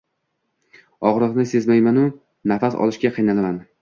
Og‘riqni sezmaymanu nafas olishga qiynalaman.